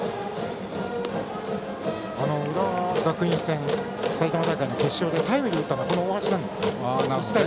浦和学院戦埼玉大会の決勝でタイムリーを打ったのはこの大橋なんですよね。